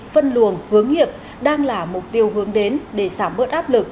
phân luồng hướng nghiệp đang là mục tiêu hướng đến để giảm bớt áp lực